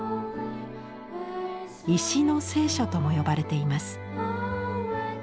「石の聖書」とも呼ばれています。